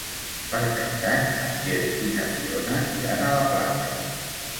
Per Cap d'Any en Quer i na Fiona iran a la platja.